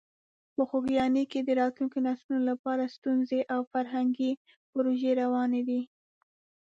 په خوږیاڼي کې د راتلونکو نسلونو لپاره ښوونیزې او فرهنګي پروژې روانې دي.